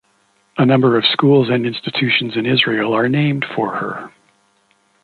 A number of schools and institutions in Israel are named for her.